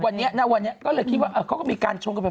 วันนี้ณวันนี้ก็เลยคิดว่าเขาก็มีการชงกันไป